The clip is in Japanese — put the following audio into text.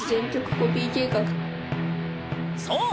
そう！